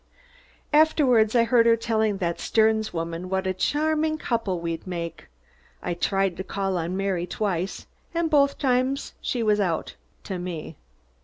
Afterward I heard her telling that Sterns woman what a charming couple we'd make. I tried to call on Mary twice and both times she was out to me.